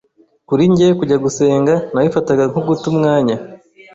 Kuri njye kujya gusenga nabifataga nko guta umwanya,